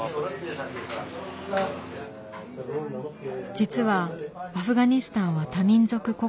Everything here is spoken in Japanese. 実はアフガニスタンは多民族国家。